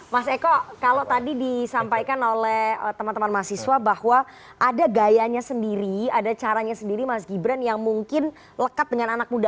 mas eko kalau tadi disampaikan oleh teman teman mahasiswa bahwa ada gayanya sendiri ada caranya sendiri mas gibran yang mungkin lekat dengan anak muda